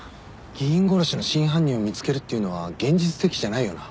議員殺しの真犯人を見つけるっていうのは現実的じゃないよな。